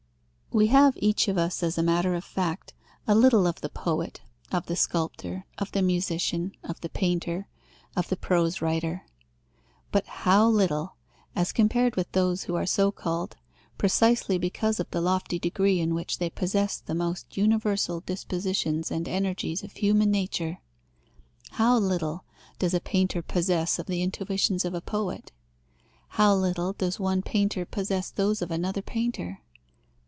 We have each of us, as a matter of fact, a little of the poet, of the sculptor, of the musician, of the painter, of the prose writer: but how little, as compared with those who are so called, precisely because of the lofty degree in which they possess the most universal dispositions and energies of human nature! How little does a painter possess of the intuitions of a poet! How little does one painter possess those of another painter!